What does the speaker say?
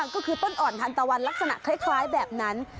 ก็คือต้นอ่อนทันตะวันลักษณะคล้ายแบบนั้น